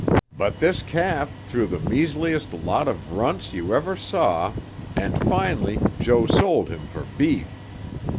But this calf threw the measliest lot of runts you ever saw and finally Joe sold him for beef.